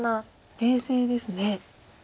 冷静ですね。